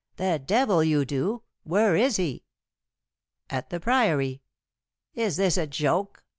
"The devil you do. Where is he?" "At the Priory." "Is this a joke?"